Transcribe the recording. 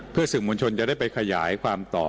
เพื่อสื่อมวลชนจะได้ไปขยายความต่อ